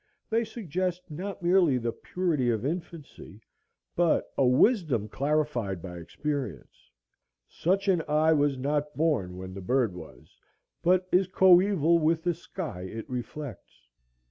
They suggest not merely the purity of infancy, but a wisdom clarified by experience. Such an eye was not born when the bird was, but is coeval with the sky it reflects.